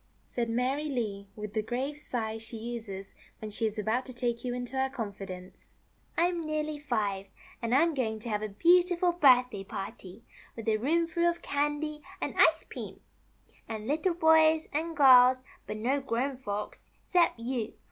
said Mary Lee with the grave sigh she uses when she is about to take you into her confidence. I'm nearly five, and I'm going to have a beautiful birthday party, with a roomful of candy, and ice cream" (she calls it ice pream "), and little boys and girls — but no grown folks, 'cept you.